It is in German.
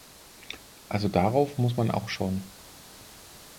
Also, darauf muss man auch schauen.